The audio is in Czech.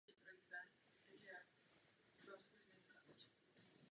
Popisuje výhody svobodného software a postupy jak potlačit jeho rozvoj.